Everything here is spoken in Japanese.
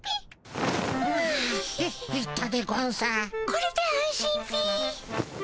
これで安心っピィ。